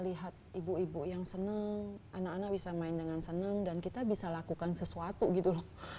lihat ibu ibu yang seneng anak anak bisa main dengan senang dan kita bisa lakukan sesuatu gitu loh